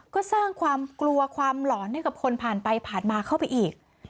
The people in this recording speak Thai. ก็สร้างความกลัวความหลอนให้กับคนผ่านไปผ่านมาเข้าไปอีก